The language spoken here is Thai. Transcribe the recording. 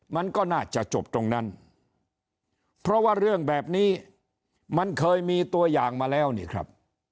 มันก็น่าจะจบตรงนั้นเพราะว่าเรื่องแบบนี้มันเคยมีตัวอย่างมาแล้วนี่ครับ